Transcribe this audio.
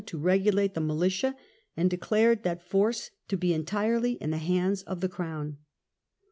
' to regulate the militia, and declared that force to be entirely in the hands of the crown.